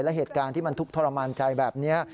และเหตุการณ์ที่มันทุกข์ทรมานใจแบบนี้